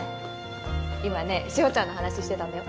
今ね志保ちゃんの話してたんだよ。